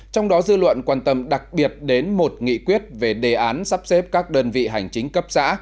trong đó dư luận quan tâm đặc biệt đến một nghị quyết về đề án sắp xếp các đơn vị hành chính cấp xã